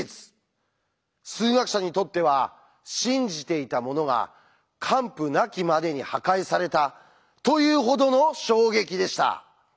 数学者にとっては信じていたものが完膚なきまでに破壊されたというほどの衝撃でした。